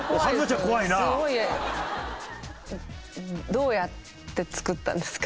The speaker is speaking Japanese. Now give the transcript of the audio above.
どうやって作ったんですか？